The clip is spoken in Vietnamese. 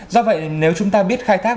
do vậy nếu chúng ta biết khai thác